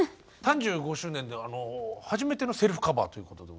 ３５周年で初めてのセルフカバーということで。